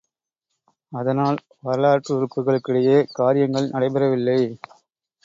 அதனால் வரலாற்றுறுப்புக்களிடையே காரியங்கள் நடைபெறவில்லை.